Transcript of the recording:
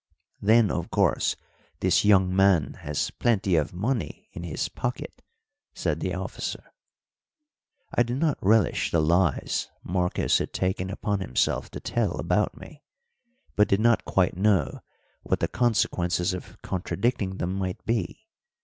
"Then, of course, this young man has plenty of money in his pocket?" said the officer. I did not relish the lies Marcos had taken upon himself to tell about me, but did not quite know what the consequences of contradicting them might be.